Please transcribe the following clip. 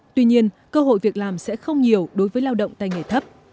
tuy nhiên cơ hội việc làm sẽ không nhiều đối với lao động tay nghề thấp